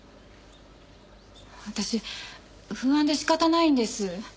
私不安で仕方ないんです。